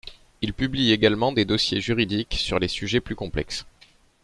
Il publie également des dossiers juridiques sur les sujets plus complexes.